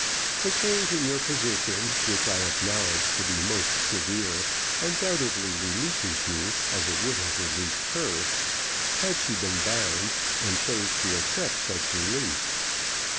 The change in your position, which I acknowledge to be most severe, undoubtedly releases you, as it would have released her, had she been bound and chose to accept such release.